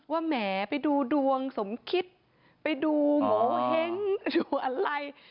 แหมไปดูดวงสมคิดไปดูโงเห้งดูอะไร